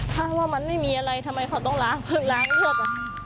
ถ้าว่ามันไม่มีอะไรทำไมเขาต้องล้างล้างเลือด